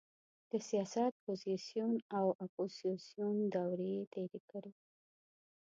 د سیاست پوزیسیون او اپوزیسیون دورې یې تېرې کړې.